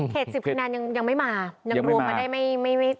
เขต๑๐คำนั้นยังไม่มา